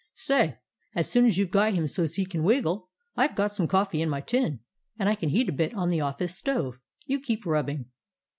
"Say, as soon as you get him so 's he can wiggle, I 've got some coffee in my tin, and I can heat a bit on the office stove. You keep rubbing."